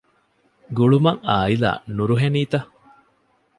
ގުޅުމަށް އާއިލާ ނުރުހެނީތަ؟